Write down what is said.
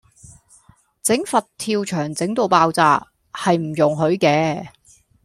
整佛跳牆整到爆炸，係唔容許嘅